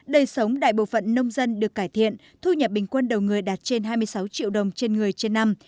đời sống đại bộ phận nông dân được cải thiện thu nhập bình quân đầu người đạt trên hai mươi sáu triệu đồng trên người trên năm